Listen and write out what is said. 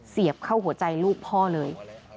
เสียบเข้าหัวใจลูกพ่อเลย